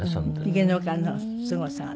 芸能界のすごさがね。